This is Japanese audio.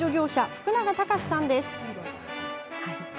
福永隆さんです。